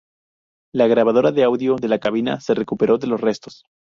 La grabadora de audio de la cabina se recuperó de los restos.